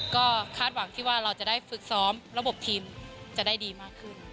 ก็คาดหวังที่ว่าเราจะได้ฝึกซ้อมระบบทีมจะได้ดีมากขึ้น